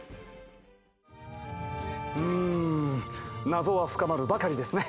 ⁉うん謎は深まるばかりですね。